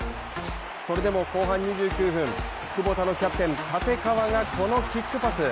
それでも後半２９分クボタのキャプテン、立川がこのキックパス。